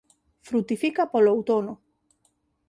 Frutifica polo outono.